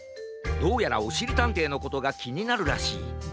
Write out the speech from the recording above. どうやらおしりたんていのことがきになるらしい。